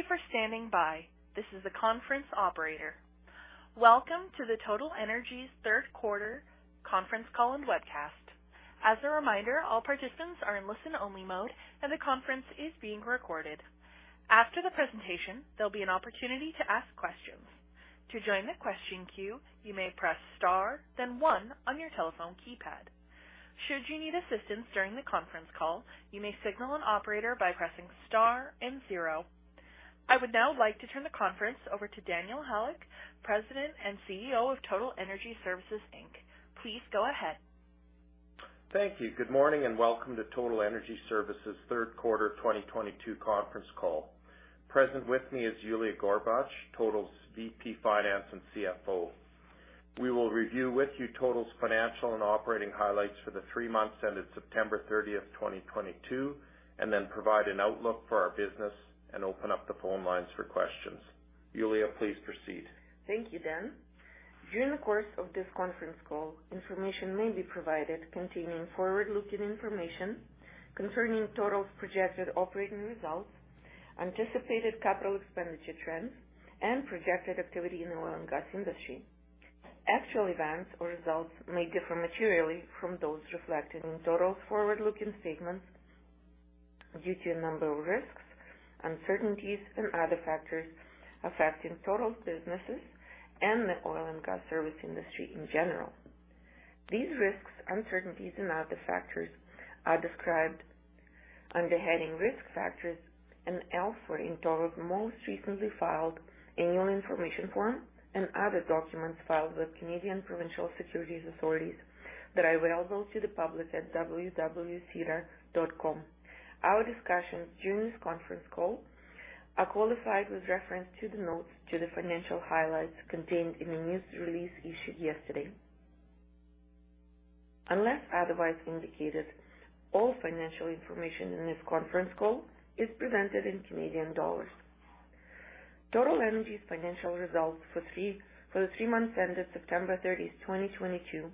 Thank you for standing by. This is the conference operator. Welcome to the Total Energy's 3rd quarter conference call and webcast. As a reminder, all participants are in listen-only mode, and the conference is being recorded. After the presentation, there'll be an opportunity to ask questions. To join the question queue, you may press star, then one on your telephone keypad. Should you need assistance during the conference call, you may signal an operator by pressing star and zero. I would now like to turn the conference over to Daniel Halyk, President and CEO of Total Energy Services, Inc. Please go ahead. Thank you. Good morning and welcome to Total Energy Services 3rd quarter 2022 conference call. Present with me is Yuliya Gorbach, Total's VP Finance and CFO. We will review with you Total's financial and operating highlights for the three months ended September 30, 2022, and then provide an outlook for our business and open up the phone lines for questions. Yuliya, please proceed. Thank you, Dan. During the course of this conference call, information may be provided containing forward-looking information concerning Total's projected operating results, anticipated capital expenditure trends, and projected activity in the oil and gas industry. Actual events or results may differ materially from those reflected in Total's forward-looking statements due to a number of risks, uncertainties, and other factors affecting Total's businesses and the oil and gas service industry in general. These risks, uncertainties, and other factors are described under heading Risk Factors and elsewhere in Total's most recently filed Annual Information Form and other documents filed with Canadian Securities Administrators that are available to the public at www.sedar.com. Our discussions during this conference call are qualified with reference to the notes to the financial highlights contained in the news release issued yesterday. Unless otherwise indicated, all financial information in this conference call is presented in Canadian dollars. Total Energy's financial results for the three months ended September 30, 2022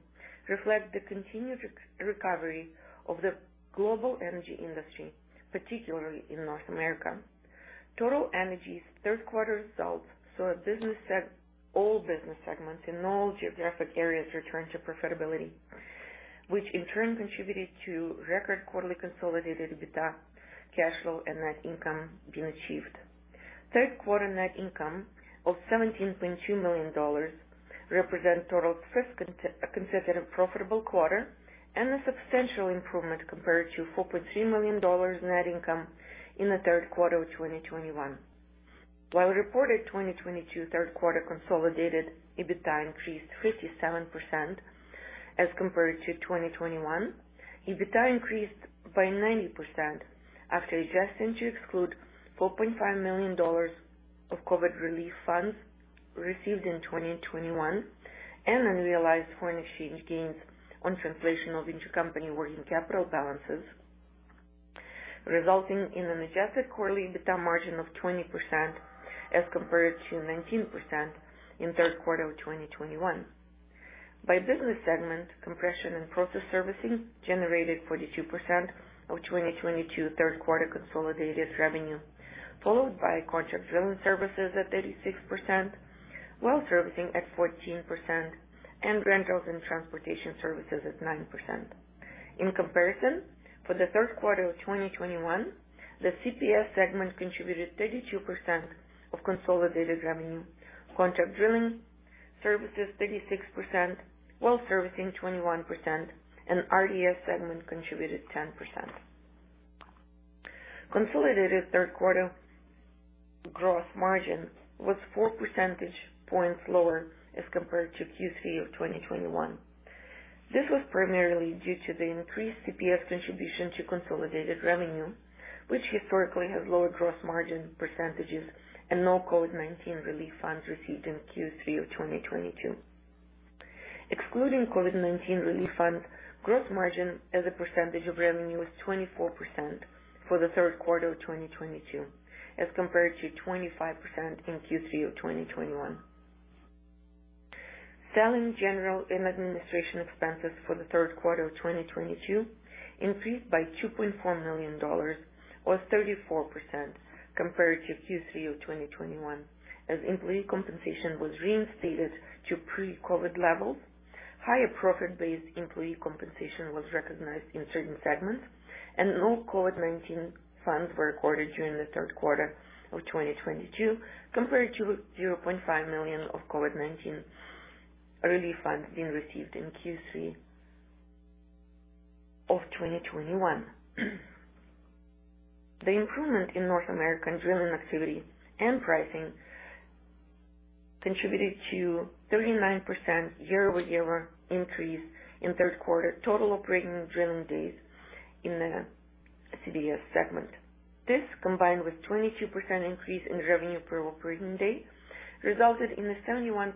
reflect the continued recovery of the global energy industry, particularly in North America. Total Energy's 3rd quarter results saw all business segments in all geographic areas return to profitability, which in turn contributed to record quarterly consolidated EBITDA, cash flow and net income being achieved. Third quarter net income of 17.2 million dollars represent Total's 1st consecutive profitable quarter and a substantial improvement compared to 4.3 million dollars net income in the 3rd quarter of 2021. While reported 2022 3rd quarter consolidated EBITDA increased 57% as compared to 2021. EBITDA increased by 90% after adjusting to exclude 4.5 million dollars of COVID relief funds received in 2021 and unrealized foreign exchange gains on translation of intercompany working capital balances, resulting in an adjusted quarterly EBITDA margin of 20% as compared to 19% in 3rd quarter of 2021. By business segment, Compression and Process Services generated 42% of 2022 3rd quarter consolidated revenue, followed by Contract Drilling Services at 36%, Well Servicing at 14%, and Rentals and Transportation Services at 9%. In comparison, for the 3rd quarter of 2021, the CPS segment contributed 32% of consolidated revenue, Contract Drilling Services 36%, Well Servicing 21%, and RTS segment contributed 10%. Consolidated 3rd quarter gross margin was 4 percentage points lower as compared to Q3 of 2021. This was primarily due to the increased CPS contribution to consolidated revenue, which historically has lower gross margin percentages and no COVID-19 relief funds received in Q3 of 2022. Excluding COVID-19 relief funds, gross margin as a percentage of revenue was 24% for the 3rd quarter of 2022, as compared to 25% in Q3 of 2021. Selling, general, and administration expenses for the 3rd quarter of 2022 increased by 2.4 million dollars, or 34% compared to Q3 of 2021, as employee compensation was reinstated to pre-COVID levels. Higher profit-based employee compensation was recognized in certain segments, and no COVID-19 funds were recorded during the 3rd quarter of 2022, compared to 0.5 million of COVID-19 relief funds being received in Q3 of 2021. The improvement in North American drilling activity and pricing contributed to 39% year-over-year increase in 3rd quarter total operating drilling days in the CDS segment. This, combined with 22% increase in revenue per operating day, resulted in a 71%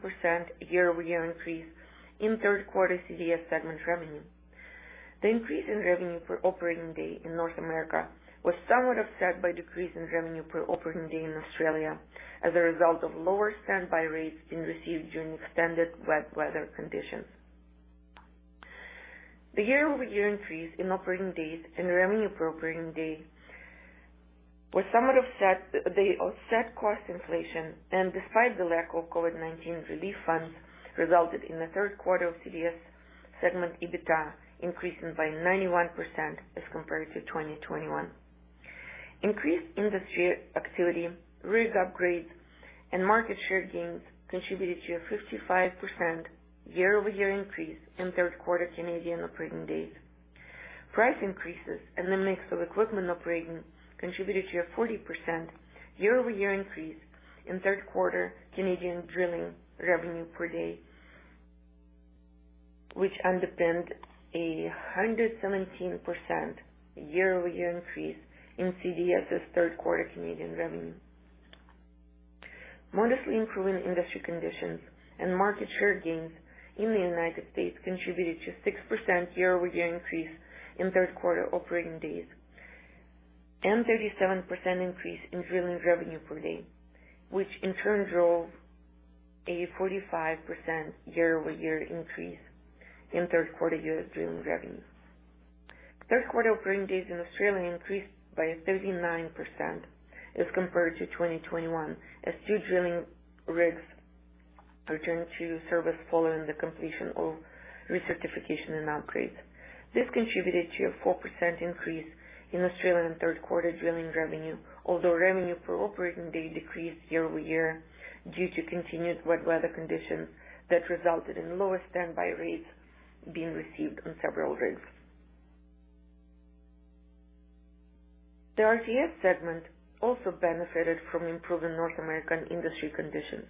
year-over-year increase in 3rd quarter CDS segment revenue. The increase in revenue per operating day in North America was somewhat offset by decrease in revenue per operating day in Australia as a result of lower standby rates being received during extended wet weather conditions. The year-over-year increase in operating days and revenue per operating day offset cost inflation and, despite the lack of COVID-19 relief funds, resulted in the 3rd quarter CDS segment EBITDA increasing by 91% as compared to 2021. Increased industry activity, rig upgrades, and market share gains contributed to a 55% year-over-year increase in 3rd quarter Canadian operating days. Price increases and the mix of equipment operating contributed to a 40% year-over-year increase in 3rd quarter Canadian drilling revenue per day, which underpinned a 117% year-over-year increase in CDS's 3rd quarter Canadian revenue. Modestly improving industry conditions and market share gains in the United States contributed to 6% year-over-year increase in 3rd quarter operating days and 37% increase in drilling revenue per day, which in turn drove a 45% year-over-year increase in 3rd quarter U.S. drilling revenue. 3rd quarter operating days in Australia increased by 39% as compared to 2021 as two drilling rigs returned to service following the completion of recertification and upgrades. This contributed to a 4% increase in Australian 3rd quarter drilling revenue, although revenue per operating day decreased year-over-year due to continued wet weather conditions that resulted in lower standby rates being received on several rigs. The RTS segment also benefited from improving North American industry conditions.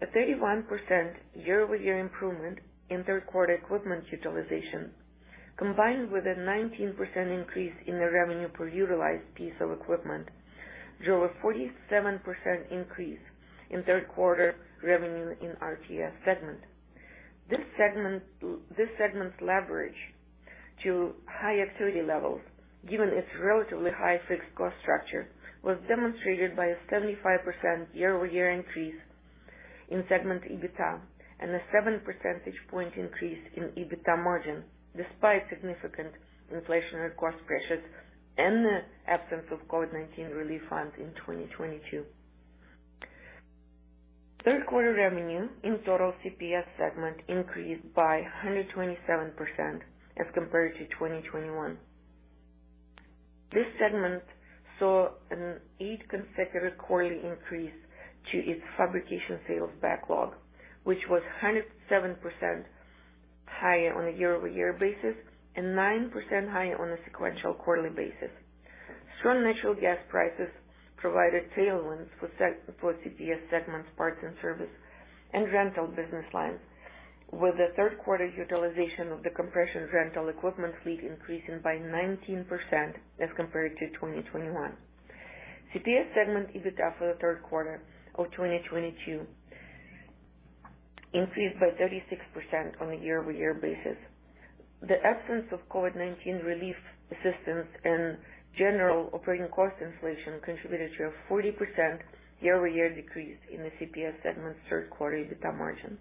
A 31% year-over-year improvement in 3rd quarter equipment utilization, combined with a 19% increase in the revenue per utilized piece of equipment, drove a 47% increase in 3rd quarter revenue in RTS segment. This segment's leverage to high activity levels, given its relatively high fixed cost structure, was demonstrated by a 75% year-over-year increase in segment EBITDA and a 7 percentage point increase in EBITDA margin, despite significant inflationary cost pressures and the absence of COVID-19 relief funds in 2022. Quarter revenue in total CPS segment increased by 127% as compared to 2021. This segment saw an consecutive quarterly increase to its fabrication sales backlog, which was 107% higher on a year-over-year basis and 9% higher on a sequential quarterly basis. Strong natural gas prices provided tailwinds for CPS segments, parts and service and rental business lines, with the 3rd quarter utilization of the compression rental equipment fleet increasing by 19% as compared to 2021. CPS segment EBITDA for the 3rd quarter of 2022 increased by 36% on a year-over-year basis. The absence of COVID-19 relief assistance and general operating cost inflation contributed to a 40% year-over-year decrease in the CPS segment's 3rd quarter EBITDA margin.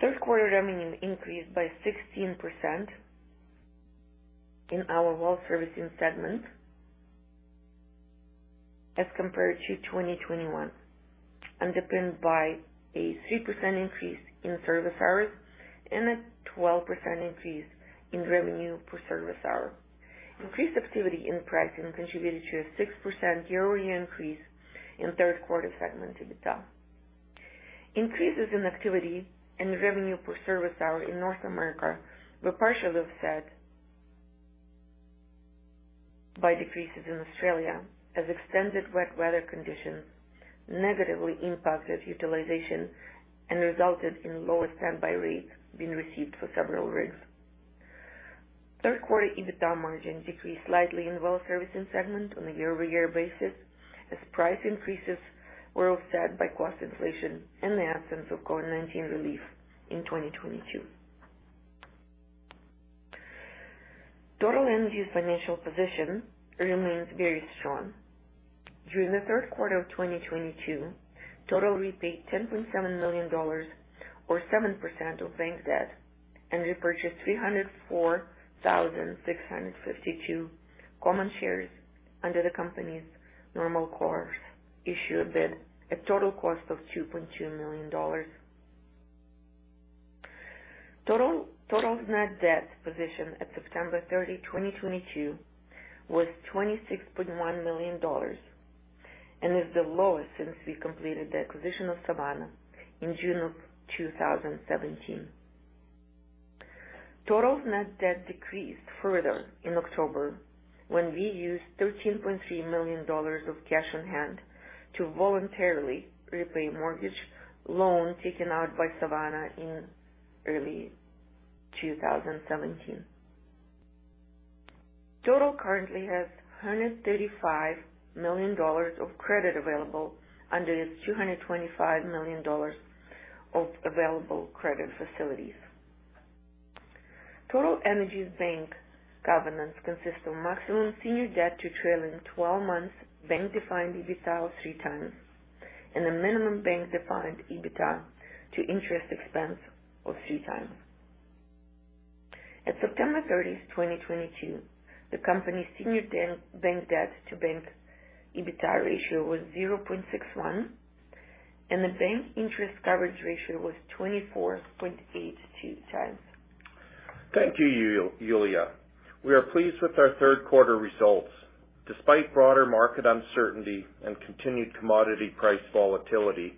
Third quarter revenue increased by 16% in our Well Servicing segment as compared to 2021, underpinned by a 6% increase in service hours and a 12% increase in revenue per service hour. Increased activity in pricing contributed to a 6% year-over-year increase in 3rd quarter segment EBITDA. Increases in activity and revenue per service hour in North America were partially offset by decreases in Australia as extended wet weather conditions negatively impacted utilization and resulted in lower standby rates being received for several rigs. Third quarter EBITDA margin decreased slightly in Well Servicing segment on a year-over-year basis as price increases were offset by cost inflation and the absence of COVID-19 relief in 2022. Total Energy's financial position remains very strong. During the 3rd quarter of 2022, Total repaid 10.7 million dollars or 7% of bank debt and repurchased 304,652 common shares under the company's normal course issuer bid at a total cost of 2.2 million dollars. Total's net debt position at September 30, 2022 was 26.1 million dollars and is the lowest since we completed the acquisition of Savanna in June of 2017. Total's net debt decreased further in October when we used 13.3 million dollars of cash on hand to voluntarily repay mortgage loan taken out by Savanna in early 2017. Total currently has 135 million dollars of credit available under its 225 million dollars of available credit facilities. Total Energy's bank covenants consist of maximum senior debt to trailing twelve months bank-defined EBITDA of times and a minimum bank-defined EBITDA to interest expense of 3x. September 30, 2022, the company's bank debt to bank EBITDA ratio was 0.61, and the bank interest coverage ratio was 24.82x. Thank you, Yuliya. We are pleased with our 3rd quarter results. Despite broader market uncertainty and continued commodity price volatility,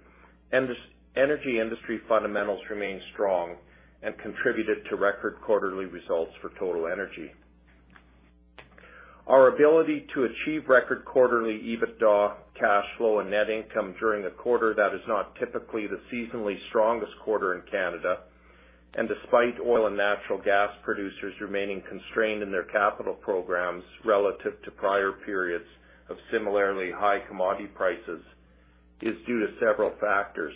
energy industry fundamentals remain strong and contributed to record quarterly results for Total Energy. Our ability to achieve record quarterly EBITDA cash flow and net income during a quarter that is not typically the seasonally strongest quarter in Canada, and despite oil and natural gas producers remaining constrained in their capital programs relative to prior periods of similarly high commodity prices, is due to several factors.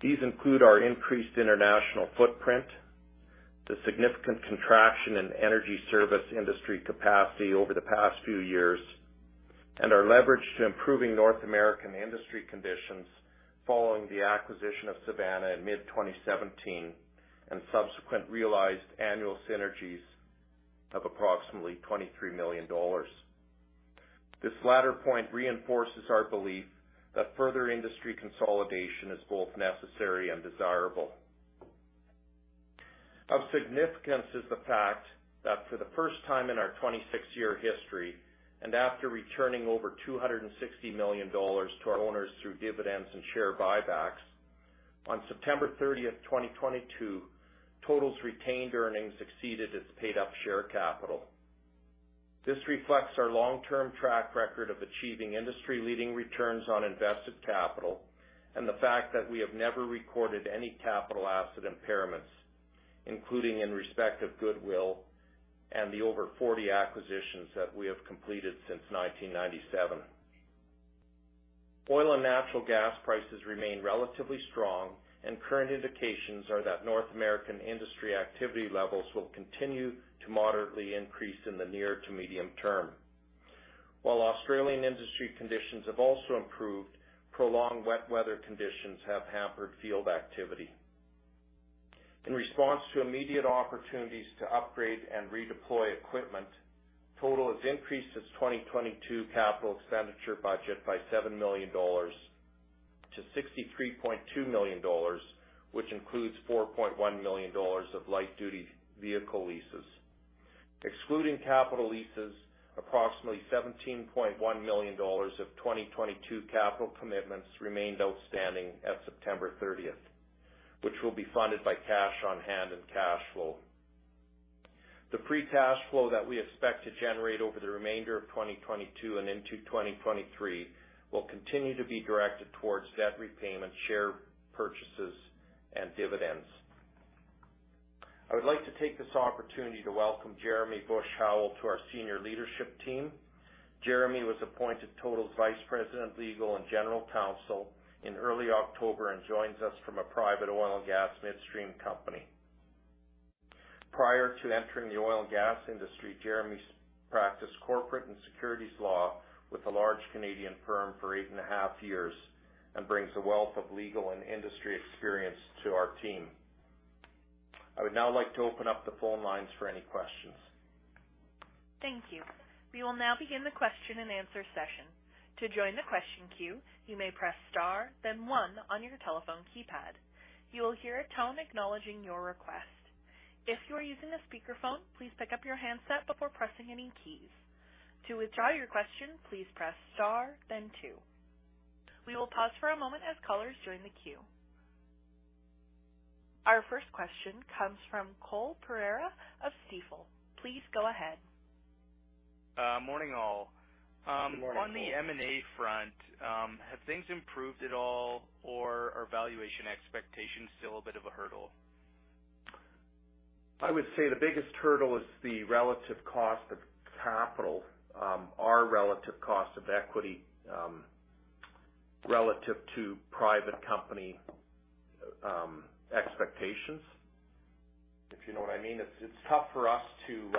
These include our increased international footprint, the significant contraction in energy service industry capacity over the past few years, and our leverage to improving North American industry conditions following the acquisition of Savanna in mid-2017 and subsequent realized annual synergies of approximately 23 million dollars. This latter point reinforces our belief that further industry consolidation is both necessary and desirable. Of significance is the fact that for the 1st time in our 26-year history, and after returning over 260 million dollars to our owners through dividends and share buybacks, on September 30, 2022, Total's retained earnings exceeded its paid-up share capital. This reflects our long-term track record of achieving industry-leading returns on invested capital and the fact that we have never recorded any capital asset impairments, including in respect of goodwill and the over 40 acquisitions that we have completed since 1997. Oil and natural gas prices remain relatively strong, and current indications are that North American industry activity levels will continue to moderately increase in the near to medium term. While Australian industry conditions have also improved, prolonged wet weather conditions have hampered field activity. In response to immediate opportunities to upgrade and redeploy equipment, Total has increased its 2022 capital expenditure budget by 7 million dollars- 63.2 million dollars, which includes 4.1 million dollars of light-duty vehicle leases. Excluding capital leases, approximately 17.1 million dollars of 2022 capital commitments remained outstanding at September 30, which will be funded by cash on hand and cash flow. The free cash flow that we expect to generate over the remainder of 2022 and into 2023 will continue to be directed towards debt repayment, share purchases, and dividends. I would like to take this opportunity to welcome Jeremy Busch-Howell to our senior leadership team. Jeremy was appointed Total's Vice President, Legal and General Counsel in early October and joins us from a private oil and gas midstream company. Prior to entering the oil and gas industry, Jeremy has practiced corporate and securities law with a large Canadian firm for eight and a half years and brings a wealth of legal and industry experience to our team. I would now like to open up the phone lines for any questions. Thank you. We will now begin the question-and-answer session. To join the question queue, you may press star then one on your telephone keypad. You will hear a tone acknowledging your request. If you are using a speakerphone, please pick up your handset before pressing any keys. To withdraw your question, please press star then two. We will pause for a moment as callers join the queue. Our 1st question comes from Cole Pereira of Stifel. Please go ahead. Morning, all. Good morning, Cole. On the M&A front, have things improved at all or are valuation expectations still a bit of a hurdle? I would say the biggest hurdle is the relative cost of capital, our relative cost of equity, relative to private company expectations. If you know what I mean. It's tough for us to.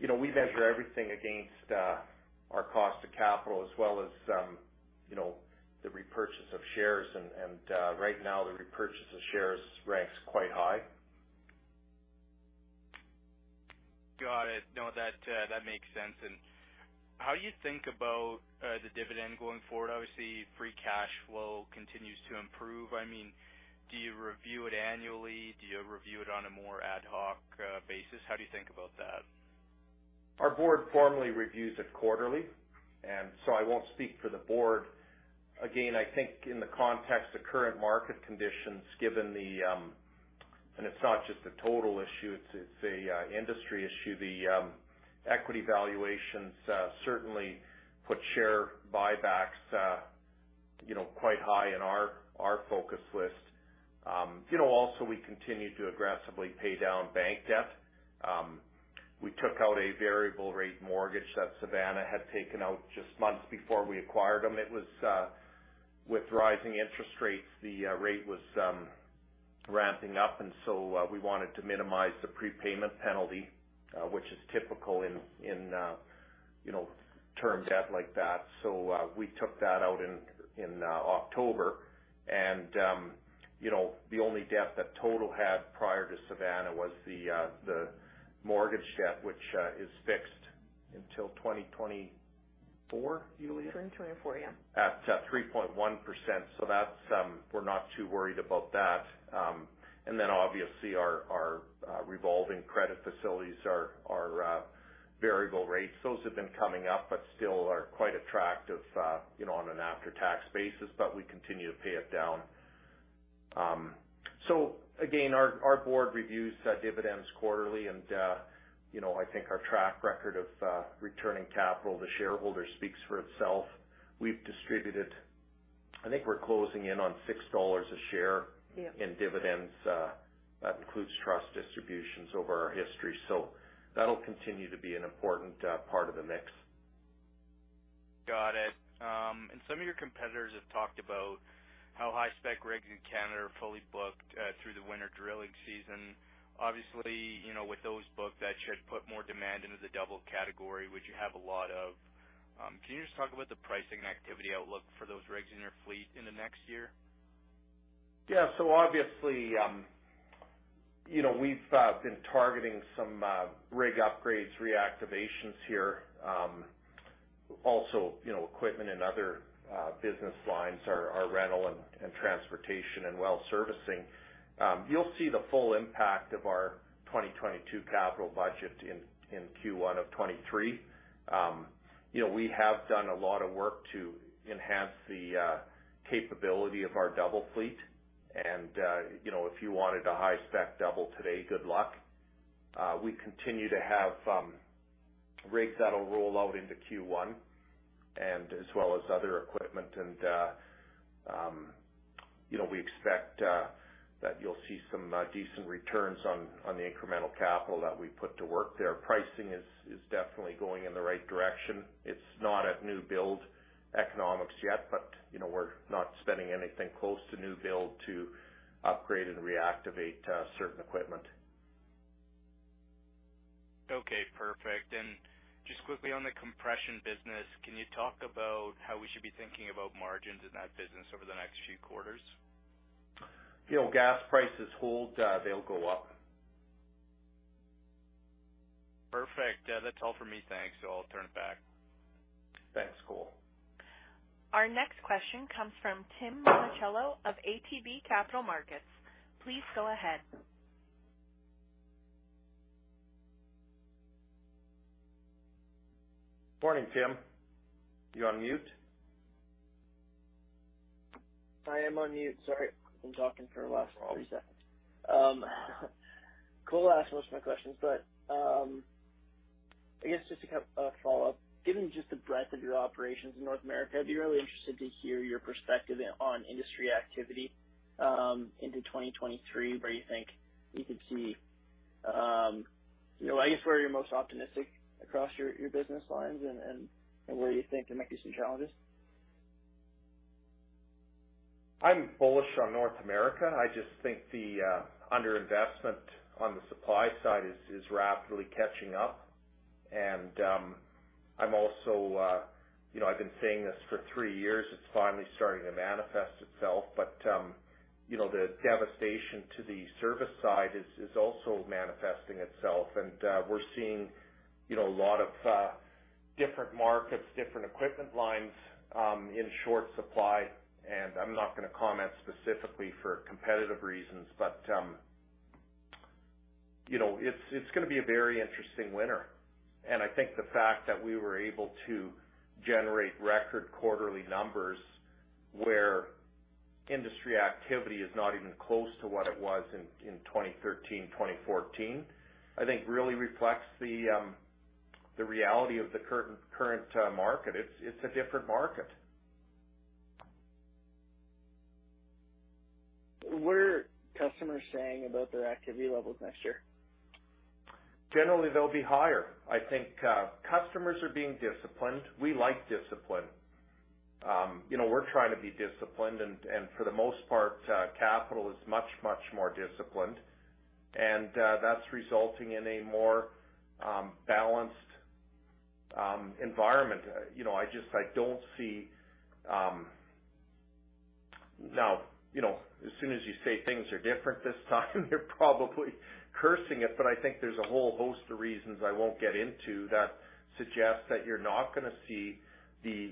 You know, we measure everything against our cost of capital as well as you know, the repurchase of shares. Right now, the repurchase of shares ranks quite high. Got it. No, that makes sense. How do you think about the dividend going forward? Obviously, free cash flow continues to improve. I mean, do you review it annually? Do you review it on a more ad hoc basis? How do you think about that? Our board formally reviews it quarterly, so I won't speak for the board. Again, I think in the context of current market conditions. It's not just a Total issue, it's a industry issue. The equity valuations certainly put share buybacks, you know, quite high in our focus list. You know, also, we continue to aggressively pay down bank debt. We took out a variable rate mortgage that Savanna had taken out just months before we acquired them. It was with rising interest rates, the rate was ramping up, so we wanted to minimize the prepayment penalty, which is typical in term debt like that. You know. So we took that out in October. You know, the only debt that Total had prior to Savanna was the mortgage debt, which is fixed until 2024, Yuliya? 2024, yeah. At 3.1%. That's. We're not too worried about that. Obviously our revolving credit facilities are variable rates. Those have been coming up, but still are quite attractive, you know, on an after-tax basis, but we continue to pay it down. Again, our board reviews dividends quarterly and, you know, I think our track record of returning capital to shareholders speaks for itself. We've distributed. I think we're closing in on 6 dollars a share. Yeah. in dividends. That includes trust distributions over our history. That'll continue to be an important part of the mix. Got it. Some of your competitors have talked about how high-spec rigs in Canada are fully booked through the winter drilling season. Obviously, you know, with those booked, that should put more demand into the double category, which you have a lot of. Can you just talk about the pricing activity outlook for those rigs in your fleet in the next year? Yeah. Obviously, you know, we've been targeting some rig upgrades reactivations here. Also, you know, equipment and other business lines are Rental and Transportation and Well Servicing. You'll see the full impact of our 2022 capital budget in Q1 of 2023. You know, we have done a lot of work to enhance the capability of our double fleet. You know, if you wanted a high-spec double today, good luck. We continue to have rigs that'll roll out into Q1 and as well as other equipment. You know, we expect that you'll see some decent returns on the incremental capital that we put to work there. Pricing is definitely going in the right direction. It's not at new build economics yet, but, you know, we're not spending anything close to new build to upgrade and reactivate certain equipment. Okay, perfect. Just quickly on the compression business, can you talk about how we should be thinking about margins in that business over the next few quarters? If gas prices hold, they'll go up. Perfect. Yeah, that's all for me. Thanks. I'll turn it back. Thanks, Cole. Our next question comes from Tim Monachello of ATB Capital Markets. Please go ahead. Morning, Tim. You on mute? I am on mute. Sorry. I've been talking for the last 30 2nds. Cole asked most of my questions, but I guess just a follow-up. Given just the breadth of your operations in North America, I'd be really interested to hear your perspective on industry activity into 2023, where you think you could see. You know, I guess where you're most optimistic across your business lines and where you think you might see some challenges. I'm bullish on North America. I just think the underinvestment on the supply side is rapidly catching up. I'm also, I've been saying this for three years, it's finally starting to manifest itself. The devastation to the service side is also manifesting itself. We're seeing a lot of different markets, different equipment lines in short supply. I'm not gonna comment specifically for competitive reasons, but it's gonna be a very interesting winter. I think the fact that we were able to generate record quarterly numbers where industry activity is not even close to what it was in 2013, 2014, I think really reflects the reality of the current market. It's a different market. What are customers saying about their activity levels next year? Generally, they'll be higher. I think, customers are being disciplined. We like discipline. You know, we're trying to be disciplined and for the most part, capital is much more disciplined. That's resulting in a more balanced environment. You know, I just I don't see. Now, you know, as soon as you say things are different this time, you're probably cursing it, but I think there's a whole host of reasons I won't get into that suggest that you're not gonna see the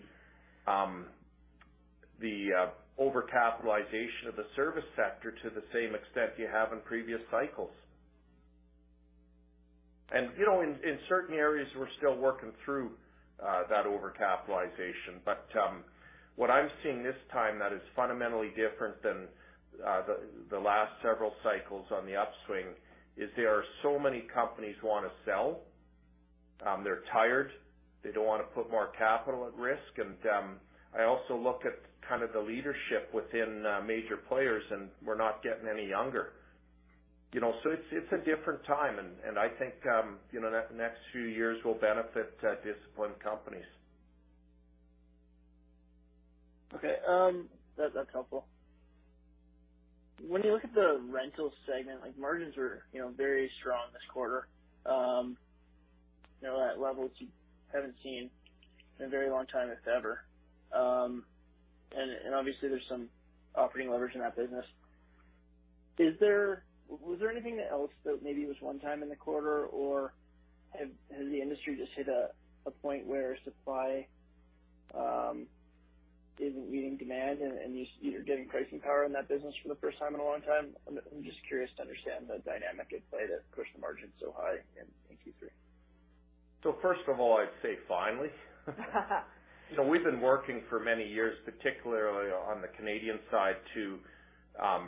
overcapitalization of the service sector to the same extent you have in previous cycles. You know, in certain areas, we're still working through that overcapitalization. What I'm seeing this time that is fundamentally different than the last several cycles on the upswing is there are so many companies who wanna sell. They're tired. They don't wanna put more capital at risk. I also look at kind of the leadership within major players, and we're not getting any younger. You know, so it's a different time and I think you know the next few years will benefit disciplined companies. Okay. That's helpful. When you look at the rental segment, like margins are, you know, very strong this quarter, you know, at levels you haven't seen in a very long time, if ever. Obviously there's some operating leverage in that business. Was there anything else that maybe was one-time in the quarter or has the industry just hit a point where supply is leading demand and you're getting pricing power in that business for the 1st time in a long time? I'm just curious to understand the dynamic at play that pushed the margin so high in Q3. 1st of all, I'd say finally. We've been working for many years, particularly on the Canadian side, to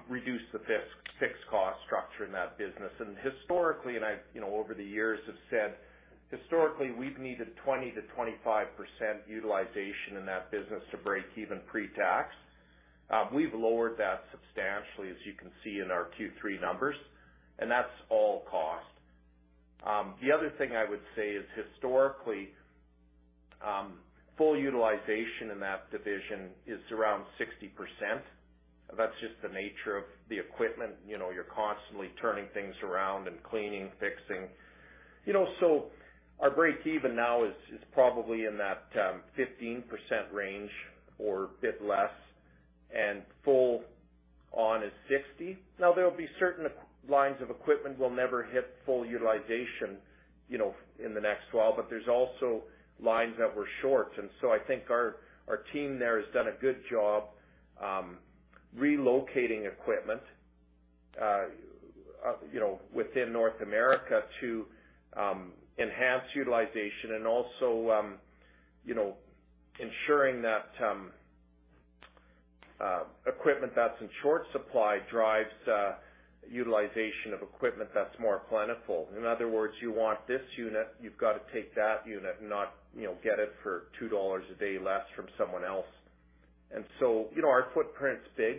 reduce the fixed cost structure in that business. Historically, and I've, you know, over the years have said, historically, we've needed 20%-25% utilization in that business to break even pre-tax. We've lowered that substantially, as you can see in our Q3 numbers, and that's all cost. The other thing I would say is historically, full utilization in that division is around 60%. That's just the nature of the equipment. You know, you're constantly turning things around and cleaning, fixing. You know, our break even now is probably in that 15% range or a bit less, and full on is 50%. Now, there will be certain lines of equipment will never hit full utilization, you know, in the next while, but there's also lines that were short. I think our team there has done a good job, relocating equipment, you know, within North America to enhance utilization and also, you know, ensuring that equipment that's in short supply drives utilization of equipment that's more plentiful. In other words, you want this unit, you've got to take that unit and not, you know, get it for $2 a day less from someone else. You know, our footprint's big,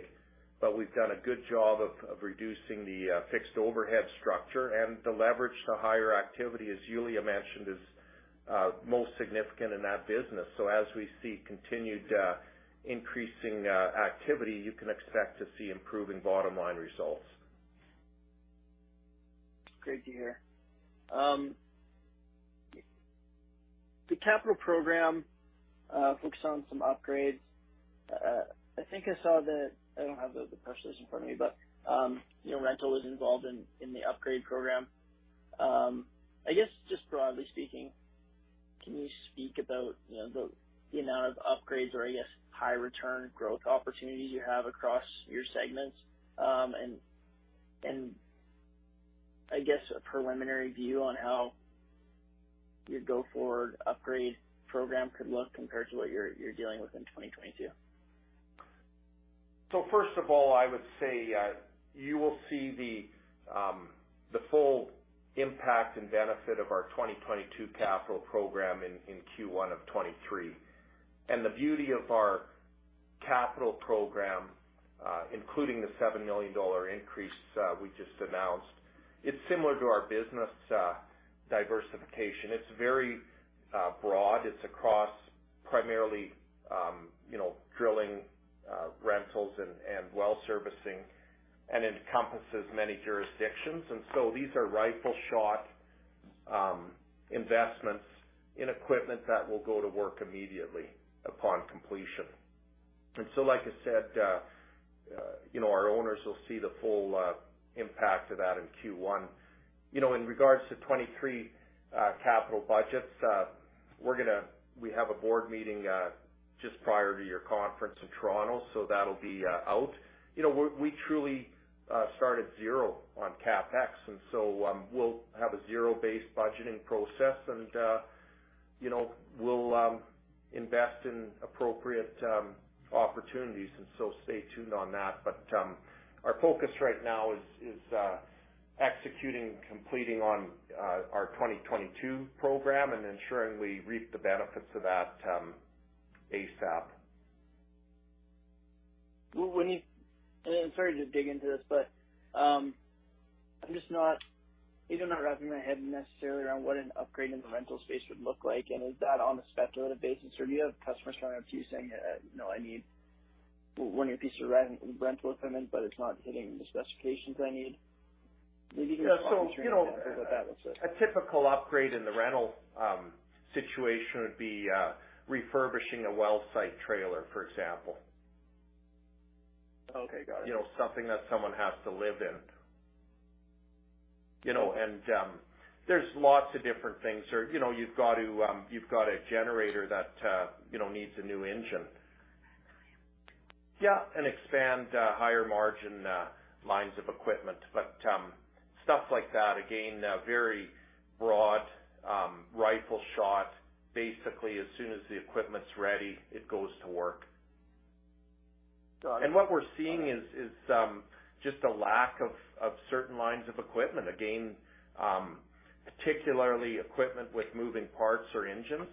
but we've done a good job of reducing the fixed overhead structure and the leverage to higher activity, as Yuliya mentioned, is most significant in that business. As we see continued increasing activity, you can expect to see improving bottom line results. Great to hear. The capital program focused on some upgrades. I think I saw that. I don't have the presentation in front of me, but you know, rental is involved in the upgrade program. I guess just broadly speaking, can you speak about you know, the amount of upgrades or I guess high return growth opportunities you have across your segments? I guess a preliminary view on how your go forward upgrade program could look compared to what you're dealing with in 2022. 1st of all, I would say you will see the full impact and benefit of our 2022 capital program in Q1 of 2023. The beauty of our capital program, including the 7 million dollar increase we just announced, it's similar to our business diversification. It's very broad. It's across primarily, you know, drilling, rentals and well servicing, and it encompasses many jurisdictions. These are rifle shot investments in equipment that will go to work immediately upon completion. Like I said, you know, our owners will see the full impact of that in Q1. You know, in regards to 2023 capital budgets, we have a board meeting just prior to your conference in Toronto, so that'll be out. You know, we truly start at zero on CapEx, and so we'll have a zero-based budgeting process and you know, we'll invest in appropriate opportunities. Stay tuned on that. Our focus right now is executing and completing on our 2022 program and ensuring we reap the benefits of that ASAP. I'm sorry to dig into this, but I'm just not maybe I'm not wrapping my head necessarily around what an upgrade in the rental space would look like. Is that on a speculative basis or do you have customers coming up to you saying, you know, "I need one of your piece of rental equipment, but it's not hitting the specifications I need"? Maybe you can Yeah. You know- Respond to that. A typical upgrade in the rental situation would be refurbishing a well site trailer, for example. Okay. Got it. You know, something that someone has to live in. You know, there's lots of different things or, you know, you've got to, you've got a generator that, you know, needs a new engine. Yeah, expand higher margin lines of equipment. Stuff like that, again, very broad, rifle shot. Basically, as soon as the equipment's ready, it goes to work. What we're seeing is just a lack of certain lines of equipment. Again, particularly equipment with moving parts or engines.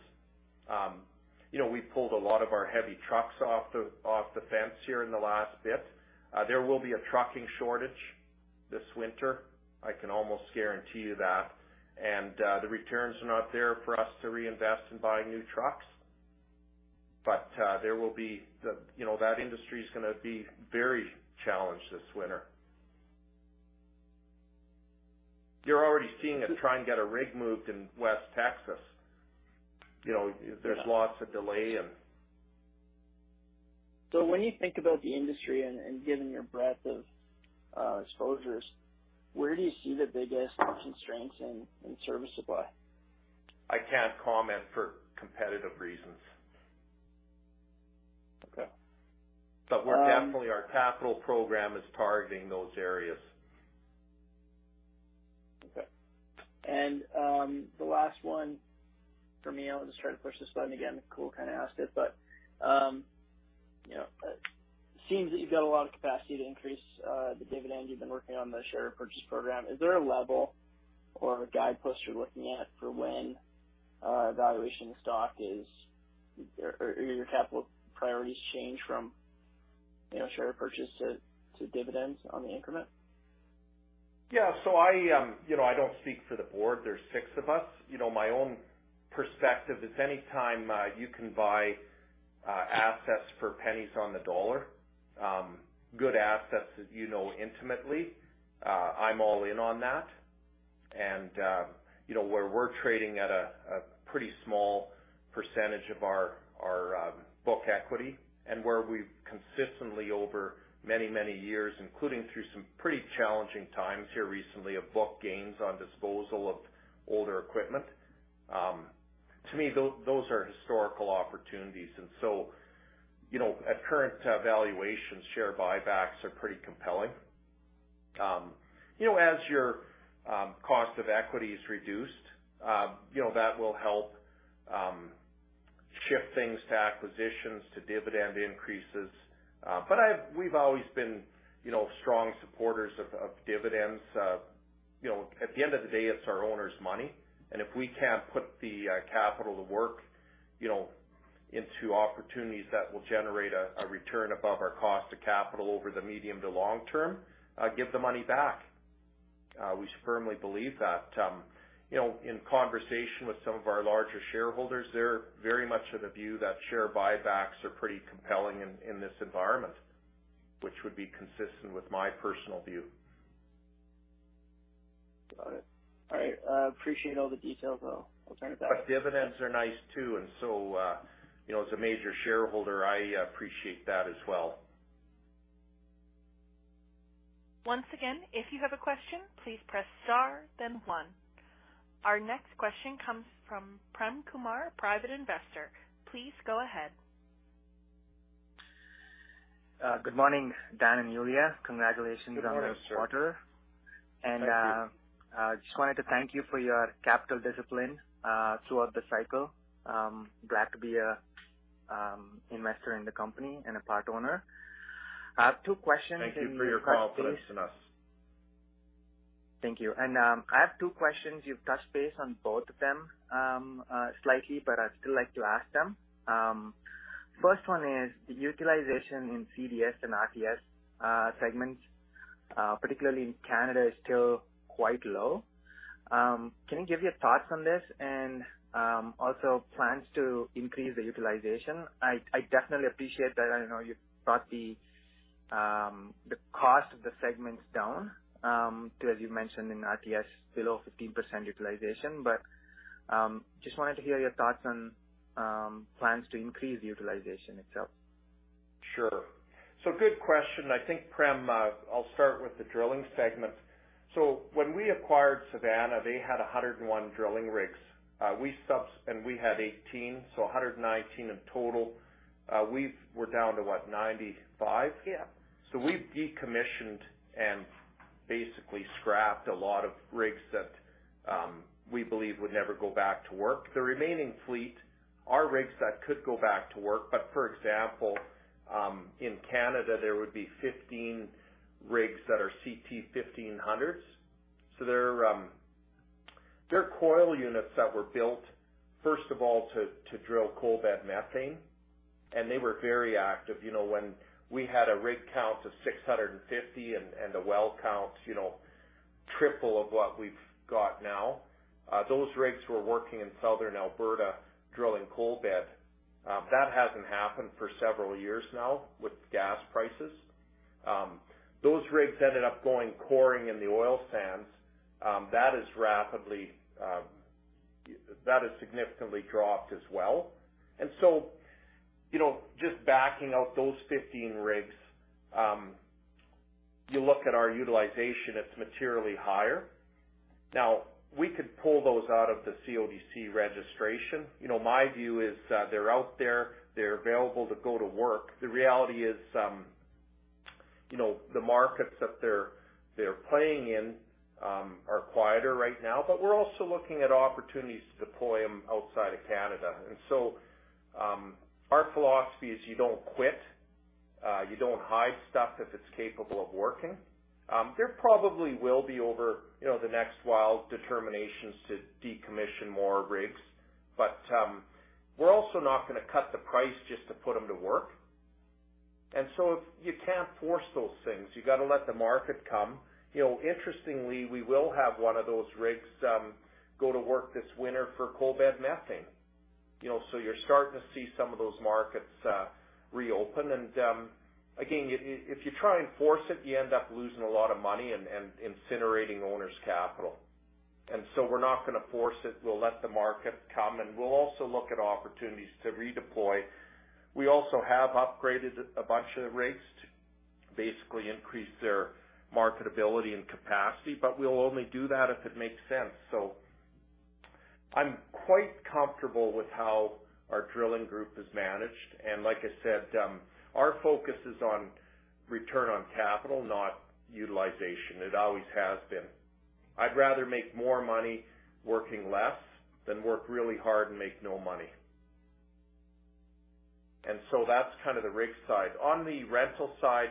You know, we pulled a lot of our heavy trucks off the fence here in the last bit. There will be a trucking shortage this winter. I can almost guarantee you that. The returns are not there for us to reinvest in buying new trucks. You know, that industry is gonna be very challenged this winter. You're already seeing it, try and get a rig moved in West Texas. You know, there's lots of delay and. When you think about the industry and given your breadth of exposures, where do you see the biggest constraints in service supply? I can't comment for competitive reasons. Okay. We're definitely, our capital program is targeting those areas. Okay. The last one for me, I'll just try to push this button again. Cole kinda asked it, but you know, seems that you've got a lot of capacity to increase the dividend. You've been working on the share purchase program. Is there a level or a guidepost you're looking at for when valuation of the stock is or your capital priorities change from you know share purchase to dividends on the increment? Yeah. I you know, don't speak for the board. There's six of us. You know, my own perspective is anytime you can buy assets for pennies on the dollar, good assets that you know intimately, I'm all in on that. You know, where we're trading at a pretty small percentage of our book equity and where we've consistently over many, many years, including through some pretty challenging times here recently, have book gains on disposal of older equipment. To me, those are historical opportunities. You know, at current valuations, share buybacks are pretty compelling. You know, as your cost of equity is reduced, you know, that will help shift things to acquisitions, to dividend increases. We've always been, you know, strong supporters of dividends. You know, at the end of the day, it's our owners' money, and if we can't put the capital to work, you know, into opportunities that will generate a return above our cost of capital over the medium to long term, give the money back. We firmly believe that. You know, in conversation with some of our larger shareholders, they're very much of the view that share buybacks are pretty compelling in this environment, which would be consistent with my personal view. Got it. All right. I appreciate all the details, though. I'll turn it back. Dividends are nice, too. You know, as a major shareholder, I appreciate that as well. Once again, if you have a question, please press star then one. Our next question comes from Prem Kumar, Private Investor. Please go ahead. Good morning, Dan and Yuliy a.Congratulations. Good morning, sir. on the quarter. Thank you. I just wanted to thank you for your capital discipline throughout the cycle. Glad to be a investor in the company and a part-owner. I have two questions, and you've touched base. Thank you for your confidence in us. Thank you. I have two questions. You've touched base on both of them, slightly, but I'd still like to ask them. 1st one is the utilization in CDS and RTS segments, particularly in Canada, is still quite low. Can you give your thoughts on this and also plans to increase the utilization? I definitely appreciate that. I know you brought the cost of the segments down to, as you mentioned in RTS, below 15% utilization. Just wanted to hear your thoughts on plans to increase the utilization itself. Good question. I think, Prem, I'll start with the drilling segment. When we acquired Savanna, they had 101 drilling rigs. We had 18, so 119 in total. We're down to what? 95. Yeah. We've decommissioned and basically scrapped a lot of rigs that we believe would never go back to work. The remaining fleet are rigs that could go back to work. For example, in Canada, there would be 15 rigs that are CT 1500s. They're coil units that were built, 1st of all, to drill coal bed methane, and they were very active. You know, when we had a rig count of 650 and a well count, you know, triple of what we've got now, those rigs were working in Southern Alberta drilling coal bed. That hasn't happened for several years now with gas pricesa. Those rigs ended up going coring in the oil sands. That has significantly dropped as well. You know, just backing out those 15 rigs, you look at our utilization, it's materially higher. Now, we could pull those out of the CAODC registration. You know, my view is, they're out there, they're available to go to work. The reality is, you know, the markets that they're playing in are quieter right now, but we're also looking at opportunities to deploy them outside of Canada. Our philosophy is you don't quit, you don't hide stuff if it's capable of working. There probably will be over, you know, the next while determinations to decommission more rigs. But, we're also not gonna cut the price just to put them to work. If you can't force those things, you gotta let the market come. You know, interestingly, we will have one of those rigs go to work this winter for coal bed methane. You know, you're starting to see some of those markets reopen. Again, if you try and force it, you end up losing a lot of money and incinerating owners' capital. We're not gonna force it. We'll let the market come, and we'll also look at opportunities to redeploy. We also have upgraded a bunch of rigs to basically increase their marketability and capacity, but we'll only do that if it makes sense. I'm quite comfortable with how our drilling group is managed. Like I said, our focus is on return on capital, not utilization. It always has been. I'd rather make more money working less than work really hard and make no money. That's kind of the rig side. On the rental side,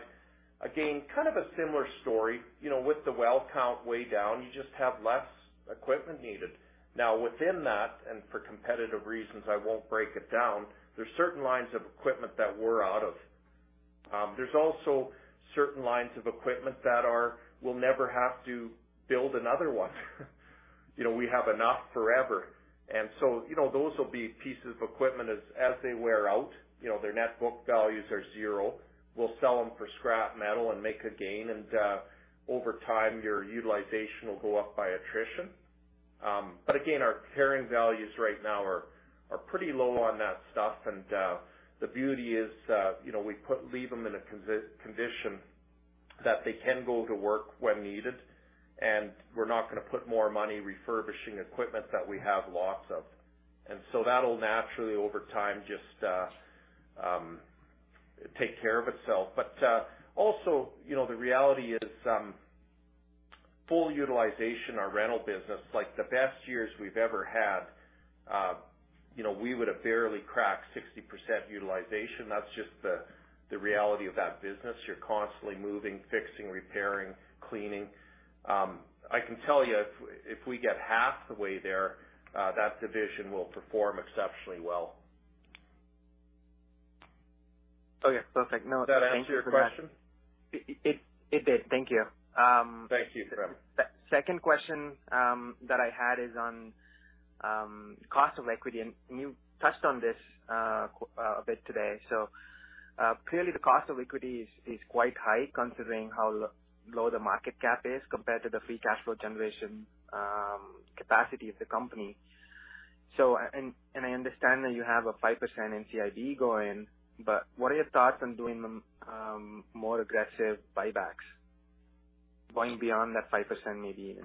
again, kind of a similar story. You know, with the well count way down, you just have less equipment needed. Now, within that, and for competitive reasons, I won't break it down, there's certain lines of equipment that we're out of. There's also certain lines of equipment that are, we'll never have to build another one. You know, we have enough forever. Those will be pieces of equipment as they wear out. You know, their net book values are zero. We'll sell them for scrap metal and make a gain. Over time, your utilization will go up by attrition. But again, our carrying values right now are pretty low on that stuff. The beauty is, you know, we leave them in a condition that they can go to work when needed, and we're not gonna put more money refurbishing equipment that we have lots of. That'll naturally over time just take care of itself. Also, you know, the reality is, full utilization, our rental business, like the best years we've ever had, you know, we would have barely cracked 60% utilization. That's just the reality of that business. You're constantly moving, fixing, repairing, cleaning. I can tell you if we get half the way there, that division will perform exceptionally well. Oh, yeah. Perfect. No, thank you for that. Does that answer your question? It did. Thank you. Thank you. 2nd question that I had is on cost of equity. You touched on this a bit today. Clearly the cost of equity is quite high considering how low the market cap is compared to the free cash flow generation capacity of the company. I understand that you have a 5% NCIB going, but what are your thoughts on doing the more aggressive buybacks going beyond that 5% maybe even?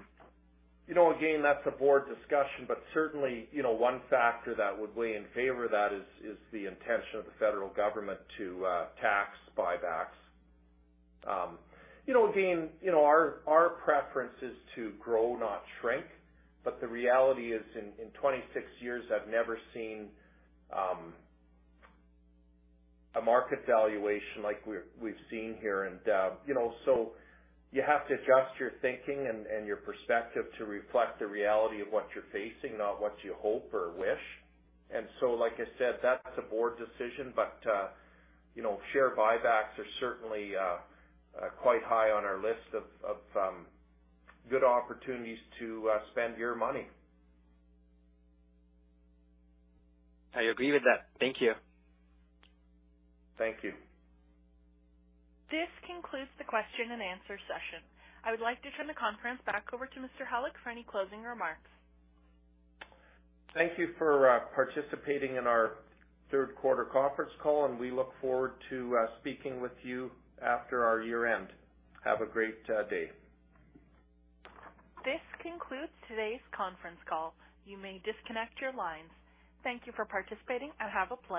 You know, again, that's a board discussion, but certainly, you know, one factor that would weigh in favor of that is the intention of the federal government to tax buybacks. You know, again, you know, our preference is to grow, not shrink. The reality is in 26 years, I've never seen a market valuation like we've seen here. You know, you have to adjust your thinking and your perspective to reflect the reality of what you're facing, not what you hope or wish. Like I said, that's a board decision. You know, share buybacks are certainly quite high on our list of good opportunities to spend your money. I agree with that. Thank you. Thank you. This concludes the question and answer session. I would like to turn the conference back over to Mr. Halyk for any closing remarks. Thank you for participating in our 3rd quarter conference call, and we look forward to speaking with you after our year-end. Have a great day. This concludes today's conference call. You may disconnect your lines. Thank you for participating, and have a blessed day.